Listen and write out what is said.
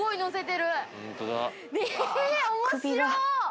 え面白っ！